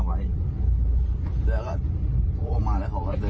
เดี๋ยวก็มาตรงนั้นเมื่อกี้